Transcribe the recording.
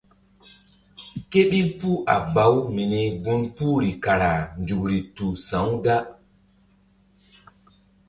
Ke ɓil puh a baw mini gun puhri kara nzukri tu sa̧-u da.